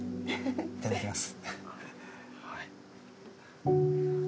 いただきます。